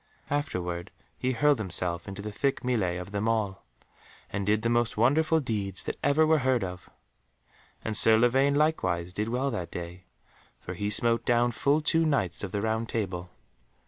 Afterward he hurled himself into the thick mêlée of them all, and did the most wonderful deeds that ever were heard of. And Sir Lavaine likewise did well that day, for he smote down full two Knights of the Round Table.